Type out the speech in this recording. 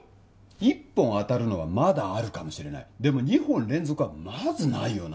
１本当たるのはまだあるかもしれないでも２本連続はまずないよな